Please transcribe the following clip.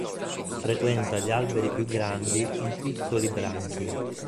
Frequenta gli alberi più grandi in piccoli branchi.